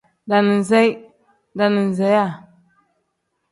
Daaniseyi pl: daaniseyiwa n.